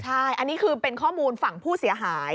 ใช่อันนี้คือเป็นข้อมูลฝั่งผู้เสียหาย